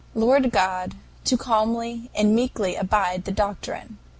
Lord God, to calmly and meekly abide the doctrine.